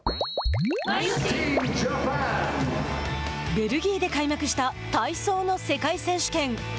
ベルギーで開幕した体操の世界選手権。